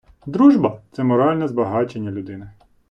Дружба — це моральне збагачення людини.